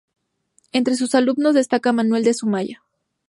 Entre sus alumnos destaca Manuel de Sumaya.